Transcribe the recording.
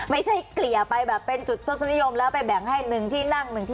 ไม่ใช่เกลี่ยไปแบบเป็นจุดทศนิยมแล้วไปแบ่งให้หนึ่งที่นั่ง